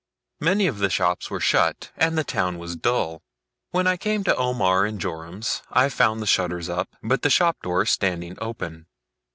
Many of the shops were shut, and the town was dull. When I came to Omer and Joram's, I found the shutters up, but the shop door standing open.